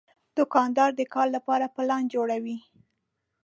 دوکاندار د کار لپاره پلان جوړوي.